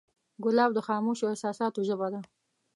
ګلاب د خاموشو احساساتو ژبه ده.